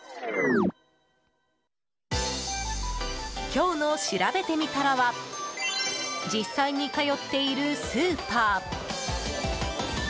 今日のしらべてみたらは実際に通っているスーパー。